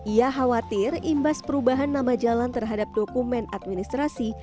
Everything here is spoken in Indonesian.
ia khawatir imbas perubahan nama jalan terhadap dokumen administrasi